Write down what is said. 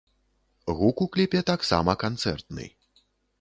Гук у кліпе таксама канцэртны.